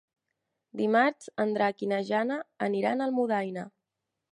Dimarts en Drac i na Jana aniran a Almudaina.